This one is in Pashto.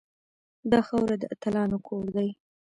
دا خاوره د اتلانو کور دی